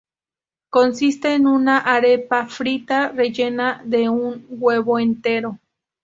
Consiste en una arepa frita, rellena de un huevo entero.